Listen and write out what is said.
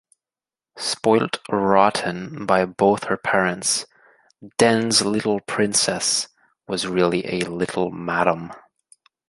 Spoilt rotten by both her parents, Den's 'little princess' was really a little madam.